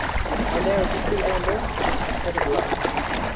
When there is a preamble, it is considered last.